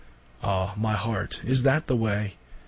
Ah my Heart, is that the way?